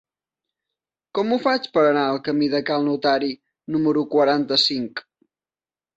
Com ho faig per anar al camí de Cal Notari número quaranta-cinc?